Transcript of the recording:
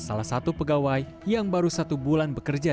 salah satu pegawai yang baru satu bulan bekerja